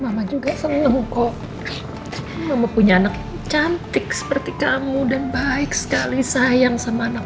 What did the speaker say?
mama juga senang kok mama punya anak cantik seperti kamu dan baik sekali sayang sama anak